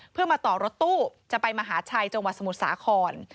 เพื่อมาต่อรถตู้จะไปมหาชัยจังหวัดสมุทรสาคร